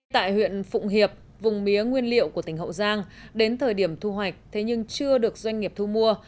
tại huyện phụng hiệp vùng mía nguyên liệu của tỉnh hậu giang đến thời điểm thu hoạch thế nhưng chưa được doanh nghiệp thu mua